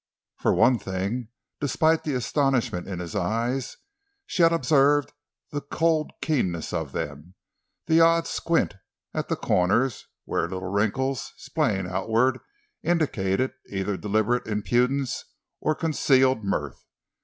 For one thing, despite the astonishment in his eyes, she had observed the cold keenness of them, the odd squint at the corners, where little wrinkles, splaying outward, indicated either deliberate impudence or concealed mirth.